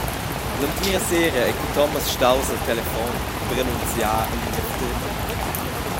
L’entira sera ei Cathomas staus al telefon per annunziar il niev termin.